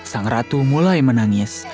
sang ratu mulai menangis